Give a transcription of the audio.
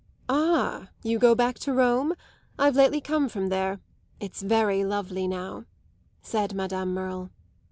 "Ah, you go back to Rome? I've lately come from there. It's very lovely now," said Madame Merle.